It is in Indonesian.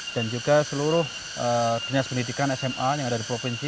dan juga seluruh klinis pendidikan sma yang ada di provinsi